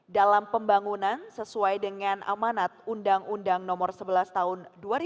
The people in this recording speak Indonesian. dalam pembangunan sesuai dengan amanat undang undang nomor sebelas tahun dua ribu dua